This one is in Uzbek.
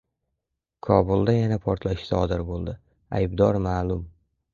Kobulda yana portlash sodir bo‘ldi. Aybdor ma’lum